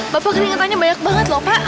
bapak keringetannya banyak banget loh pak